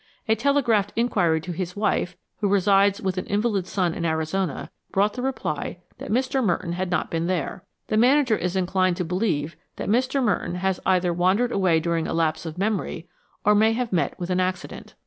A telegraphed inquiry to his wife, who resides with an invalid son in Arizona, brought the reply that Mr. Merton had not been there. The manager is inclined to believe that Mr. Merton has either wandered away during a lapse of memory, or may have met with an accident.